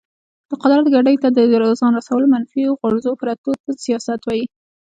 د قدرت ګدۍ ته د ځان رسولو منفي غورځو پرځو ته سیاست وایي.